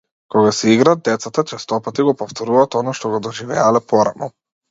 Кога си играат, децата честопати го повторуваат она што го доживеале порано.